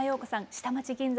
「下町銀座」。